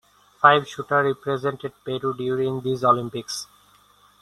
Five shooter represented Peru during these Olympics.